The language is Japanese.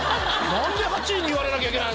何で８位に言われなきゃいけないんですか。